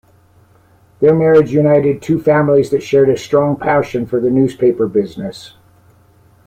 Their marriage united two families that shared a strong passion for the newspaper business.